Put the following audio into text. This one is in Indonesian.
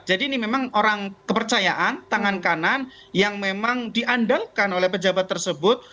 jadi ini memang orang kepercayaan tangan kanan yang memang diandalkan oleh pejabat tersebut